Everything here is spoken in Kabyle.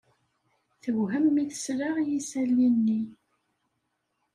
Tewhem mi tesla i yisali-nni.